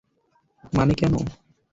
মানে, কেন?